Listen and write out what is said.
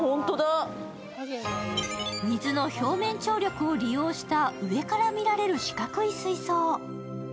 水の表面張力を利用した上から見られる四角い水槽。